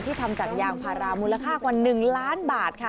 ทำจากยางพารามูลค่ากว่า๑ล้านบาทค่ะ